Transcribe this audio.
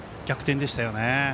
逆転でしたよね。